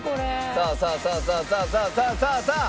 さあさあさあさあ！